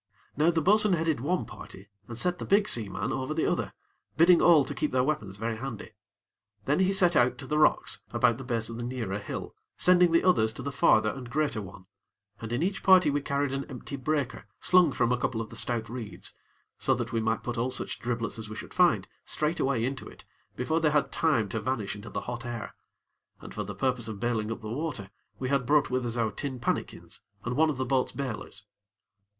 Now the bo'sun headed one party, and set the big seaman over the other, bidding all to keep their weapons very handy. Then he set out to the rocks about the base of the nearer hill, sending the others to the farther and greater one, and in each party we carried an empty breaker slung from a couple of the stout reeds, so that we might put all such driblets as we should find, straight away into it, before they had time to vanish into the hot air; and for the purpose of bailing up the water, we had brought with us our tin pannikins, and one of the boat's bailers.